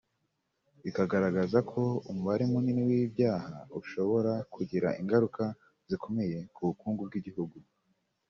bikagaragaza ko umubare munini w’ibyaha ushobora kugira ingaruka zikomeye ku bukungu bw’igihugu